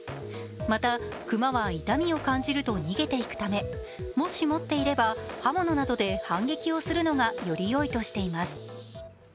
また、熊は痛みを感じると逃げていくため、もし持っていれば、刃物などで反撃をするのが、よりよいとしています。